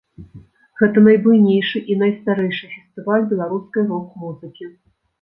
Гэта найбуйнейшы і найстарэйшы фестываль беларускай рок-музыкі.